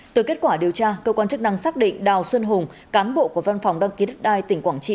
từ kết quả điều tra cơ quan chức năng xác định đào xuân hùng cán bộ của văn phòng đăng ký đất đai tỉnh quảng trị